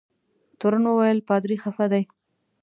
تورن وویل پادري خفه دی.